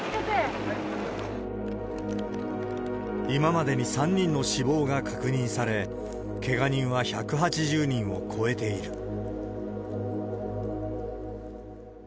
今までに３人の死亡が確認され、けが人は１８０人を超えている。